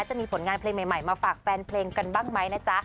จะมีผลงานเพลงใหม่มาฝากแฟนเพลงกันบ้างไหมนะจ๊ะ